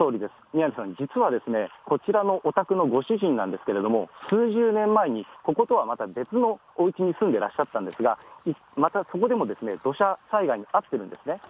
宮根さん、実はこちらのお宅のご主人なんですけれども、数十年前に、こことはまた別のおうちに住んでらっしゃったんですが、またそこでも、土砂災害に遭ってるんですね。